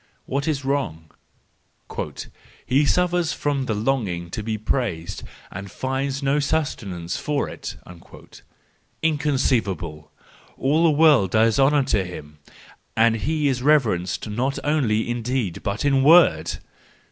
"—What is wrong ?—" He suffers from the longing to be praised, and finds no sustenance for it"—Inconceivable! All the world does honour to him, and he is reverenced not only in deed but in word